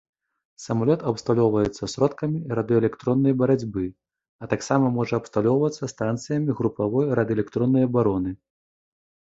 Самалёт абсталёўваецца сродкамі радыёэлектроннай барацьбы, а таксама можа абсталёўвацца станцыямі групавой радыёэлектроннай абароны.